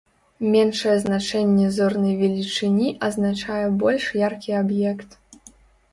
Меншае значэнне зорнай велічыні азначае больш яркі аб'ект.